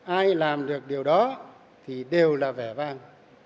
ai làm được điều đó thì đều là vẻ vang